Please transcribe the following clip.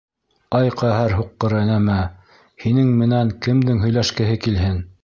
— Ай ҡәһәр һуҡҡыры нәмә! һинең менән кемдең һөйләшкеһе килһен!